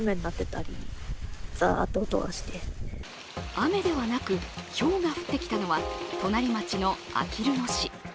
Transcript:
雨ではなくひょうが降ってきたのは隣町のあきる野市。